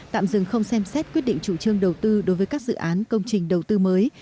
tạm dừng không xem xét quyết định chủ trương đầu tư đối với các dự án công trình đầu tư mới